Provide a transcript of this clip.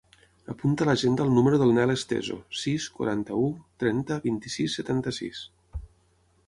Apunta a l'agenda el número del Nel Esteso: sis, quaranta-u, trenta, vint-i-sis, setanta-sis.